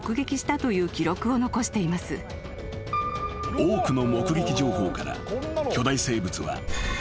［多くの目撃情報から巨大生物は］